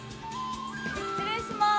失礼します。